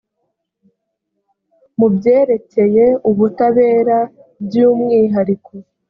mu byerekeye ubutabera by umwihariko